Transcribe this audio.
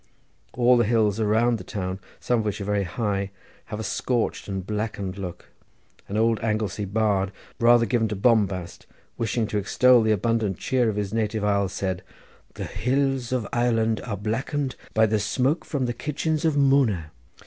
All the hills around the town, some of which are very high, have a scorched and blackened look. An old Anglesea bard, rather given to bombast, wishing to extol the abundant cheer of his native isle, said: "The hills of Ireland are blackened by the smoke from the kitchens of Mona."